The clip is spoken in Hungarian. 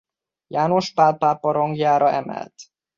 János Pál pápa rangjára emelt.